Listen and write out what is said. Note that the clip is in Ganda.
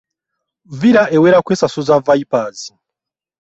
Villa ewera kwesasuza vipers.